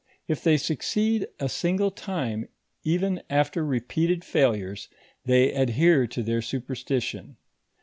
If they succeed a single time, even after repeated failures, they adhere to their superstition.